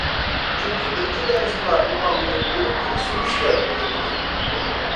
چۈنكى بىرىنچى دەرستىلا موللام مېنى‹ بۇنىڭ تىلى سېمىزكەن› دېگەن ئىدى.